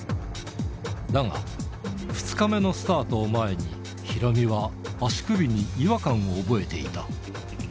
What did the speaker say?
だが、２日目のスタートを前に、ヒロミは足首に違和感を覚えていた。